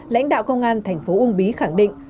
lãnh đạo công an thành phố uông bí khẳng định